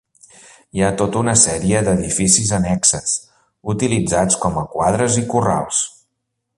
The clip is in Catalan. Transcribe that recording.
Hi ha tota una sèrie d'edificis annexes, utilitzats com a quadres i corrals.